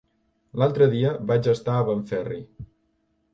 L'altre dia vaig estar a Benferri.